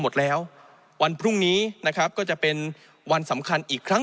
หมดแล้ววันพรุ่งนี้นะครับก็จะเป็นวันสำคัญอีกครั้ง